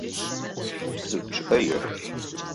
Псы чъыӏэ ешъу!